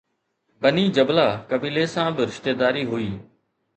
بني جبله قبيلي سان به رشتيداري هئي